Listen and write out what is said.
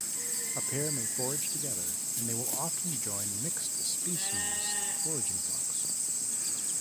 A pair may forage together and they will often join mixed-species foraging flocks.